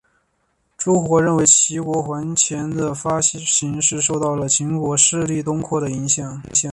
朱活认为齐国圜钱的发行是受到了秦国势力东扩的影响。